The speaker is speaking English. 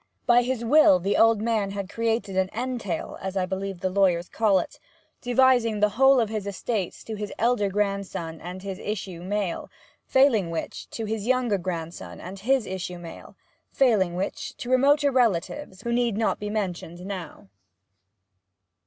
By his will the old man had created an entail (as I believe the lawyers call it), devising the whole of the estates to his elder grandson and his issue male, failing which, to his younger grandson and his issue male, failing which, to remoter relatives, who need not be mentioned now.